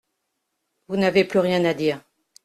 Vous n'avez plus rien à dire.